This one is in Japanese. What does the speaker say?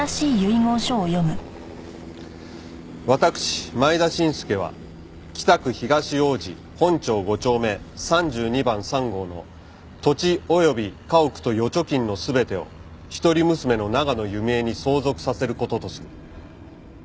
「私前田伸介は北区東王子本町五丁目三十二番三号の土地及び家屋と預貯金の全てを一人娘の長野弓枝に相続させることとする」